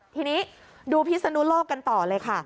ทีนี้ดูพิศนุโลกกันต่อเลยค่ะ